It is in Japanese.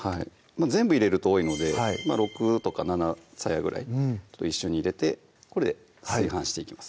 全部入れると多いので６とか７さやぐらい一緒に入れてこれで炊飯していきます